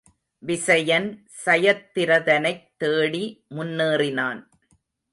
விசயன் சயத்திரதனைத்தேடி முன்னேறினான்.